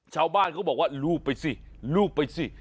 ชาวบ้านก็บอกลูบไปสิ